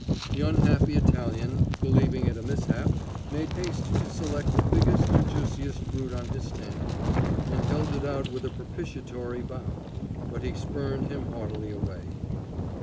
The unhappy Italian, believing it a mishap, made haste to select the biggest and juiciest fruit on his stand, and held it out with a propitiatory bow, but he spurned him haughtily away.